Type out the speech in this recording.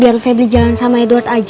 biar febri jalan sampai ke tempat lain ya